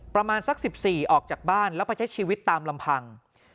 ประมาณสัก๑๔ออกจากบ้านแล้วไปใช้ชีวิตตามลำพัง